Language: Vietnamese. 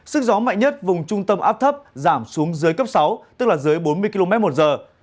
sức gió mạnh nhất vùng trung tâm áp thấp giảm xuống dưới cấp sáu tức là dưới bốn mươi km một giờ